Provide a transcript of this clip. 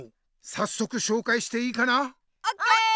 さっそくしょうかいしていいかな？ＯＫ！